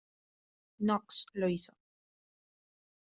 Knox lo hizo.